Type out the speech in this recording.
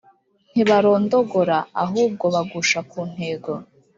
. Ntibarondogora; ahubwo bagusha ku ntego